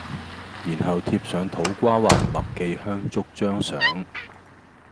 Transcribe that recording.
然後貼上土瓜灣麥記香燭張相